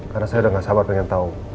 karena saya udah gak sabar pengen tahu